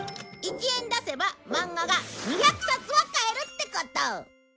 １円出せば漫画が２００冊は買えるってこと！